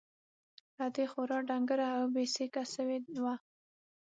ادې خورا ډنگره او بې سېکه سوې وه.